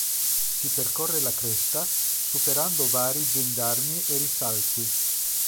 Si percorre la cresta superando vari gendarmi e risalti.